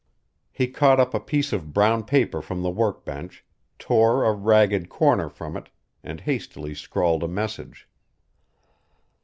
He caught up a piece of brown paper from the workbench, tore a ragged corner from it, and hastily scrawled a message.